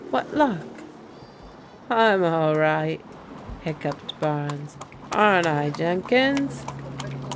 What luck?" "I'm all right," hiccuped Barnes. "Aren't I, Jen Kns?"